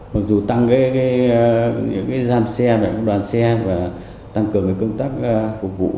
mặc dù tăng các gian xe và các đoàn xe và tăng cường các công tác phục vụ